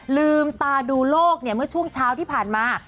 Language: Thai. ลืมตาดูโลกเมื่อช่วงเช้าที่ผ่านมา